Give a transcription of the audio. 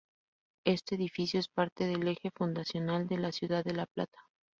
Este edificio es parte del eje fundacional de la ciudad de La Plata.